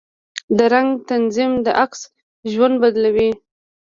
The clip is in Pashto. د رنګ تنظیم د عکس ژوند بدلوي.